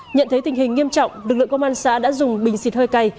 nhận thấy tình hình nghiêm trọng lực lượng công an xã đã dùng bình xịt hơi cay